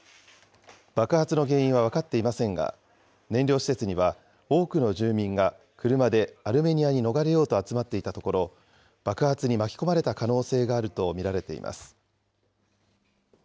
爆発の原因は分かっていませんが、燃料施設には、多くの住民が車でアルメニアに逃れようと集まっていたところ、爆発に巻き込まれた可能性があると見られています。